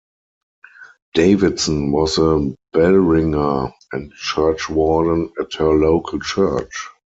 Davidson was a bellringer and churchwarden at her local church.